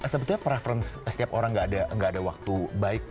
sebetulnya preference setiap orang gak ada waktu baik